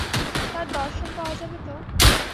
তাঁর দর্শন পাওয়া যাবে তো?